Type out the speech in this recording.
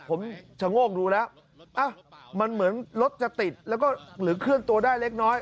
ผมชะโงกดูแล้วมันเหมือนรถจะติดแล้วก็หรือเคลื่อนตัวได้เล็กน้อย